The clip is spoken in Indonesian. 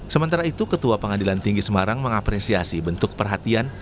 sementara itu ketua pengadilan tinggi semarang mengapresiasi bentuk perhatian